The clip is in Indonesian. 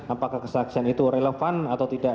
apakah kesaksian itu relevan atau tidak